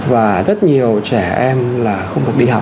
và rất nhiều trẻ em là không được đi học